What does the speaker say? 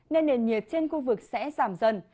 nên nền nhiệt trên khu vực sẽ giảm dần